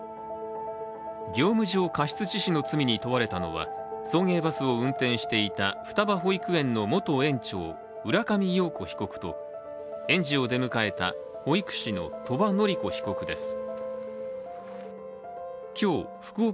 業務上過失致死の罪に問われたのは送迎バスを運転していた双葉保育園の元園長、浦上陽子被告と園児を出迎えた保育士の鳥羽詞子被告です。